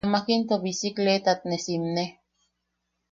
Amak into bisikleetat ne simne.